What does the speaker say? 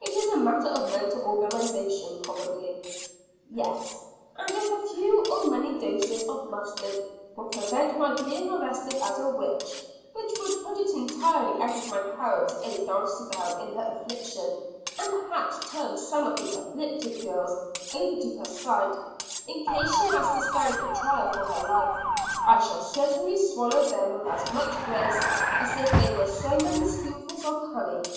It is a matter of mental organization probably." "Yes and if a few or many doses of mustard will prevent my being arrested as a witch, which would put it entirely out of my power to aid Dulcibel in her affliction and perhaps turn some of the "afflicted" girls over to her side, in case she has to stand a trial for her life I shall certainly swallow them with as much grace as if they were so many spoonfuls of honey.